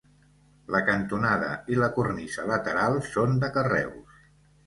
La cantonada i la cornisa lateral són de carreus.